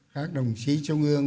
các đồng chí trung ương